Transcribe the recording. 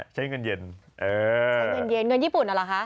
ใช้เงินเย็นเงินญี่ปุ่นหรือคะ